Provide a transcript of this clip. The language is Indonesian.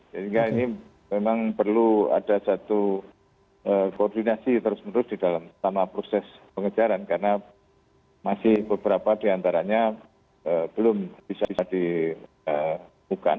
jadi ini memang perlu ada satu koordinasi terus menerus di dalam proses pengejaran karena masih beberapa di antaranya belum bisa dibuka